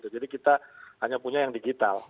jadi kita hanya punya yang digital